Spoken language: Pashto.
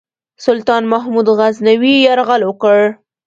سلطان محمود غزنوي یرغل وکړ.